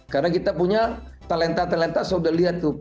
karena kita punya talenta talenta sudah lihat tuh